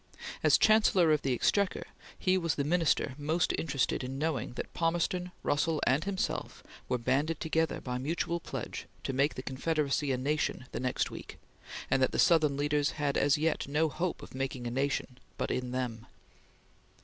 As Chancellor of the Exchequer he was the Minister most interested in knowing that Palmerston, Russell, and himself were banded together by mutual pledge to make the Confederacy a nation the next week, and that the Southern leaders had as yet no hope of "making a nation" but in them.